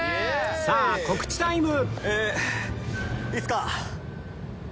さぁ告知タイム